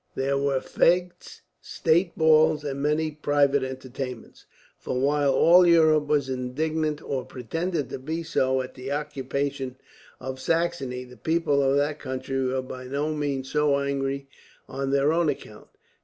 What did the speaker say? There were fetes, state balls, and many private entertainments; for while all Europe was indignant, or pretended to be so, at the occupation of Saxony, the people of that country were by no means so angry on their own account.